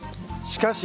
しかし！